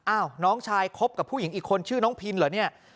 น้องชายคบกับผู้หญิงอีกคนชื่อน้องพินเหรอเนี่ย